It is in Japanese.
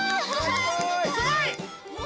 すごい！